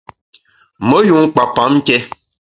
Me yun kpa pam nké.